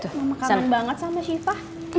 mama kangen banget sama syifa